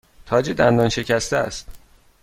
تاج دندان شکسته است.